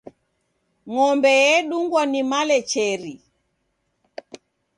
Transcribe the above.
Ng'ombe edungwa ni malecheri.